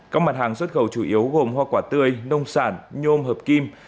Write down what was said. các mặt hàng xuất khẩu chủ yếu gồm hoa quả tươi nông sản nhôm hợp kim